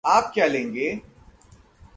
आप क्या लेंगे?